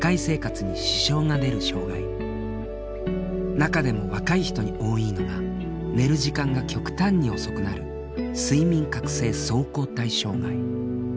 中でも若い人に多いのが寝る時間が極端に遅くなる「睡眠・覚醒相後退障害」。